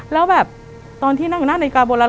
แล้วแบบตอนที่นั่งอยู่นั่งนาฬิกาโบราณ